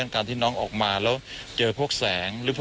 คุณทัศนาควดทองเลยค่ะ